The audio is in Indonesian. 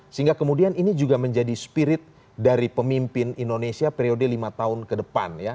sehingga kemudian ini juga menjadi spirit dari pemimpin indonesia periode lima tahun ke depan ya